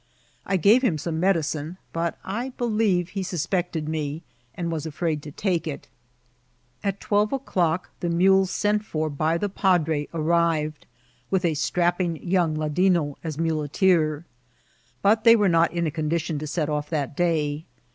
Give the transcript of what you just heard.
I gave him some medicinei but I believe he suspected me, and was afraid to take it. At twelve o'clock the miiles sent for by the padre ar rived, with a strapping young ladino as muleteer ; but they were not in a condition to set off that day.